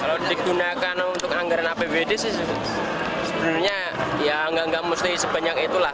kalau digunakan untuk anggaran apbd sih sebenarnya ya nggak mesti sebanyak itu lah